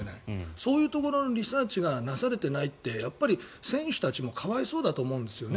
そういうところのリサーチがなされていないって選手たちも可哀想だと思うんですよね。